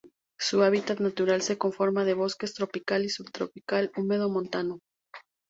Su hábitat natural se conforma de bosque tropical y subtropical húmedo montano.